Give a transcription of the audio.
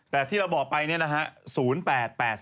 แต่ที่เราบอกไปนะฮะ๐๘๘๐